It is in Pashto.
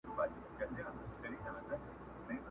یو نفس به مي هېر نه سي زه هغه بې وفا نه یم.!